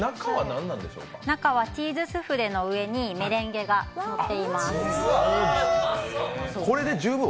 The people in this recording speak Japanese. チーズスフレの上にメレンゲがのっています。